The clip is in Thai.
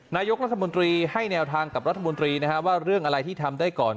นายกรัฐมนตรีให้แนวทางกับรัฐมนตรีว่าเรื่องอะไรที่ทำได้ก่อน